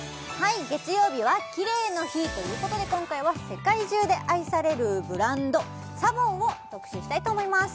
月曜日はキレイの日ということで今回は世界中で愛されるブランドＳＡＢＯＮを特集したいと思います